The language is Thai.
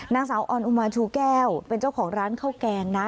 นางสาวออนอุมาชูแก้วเป็นเจ้าของร้านข้าวแกงนะ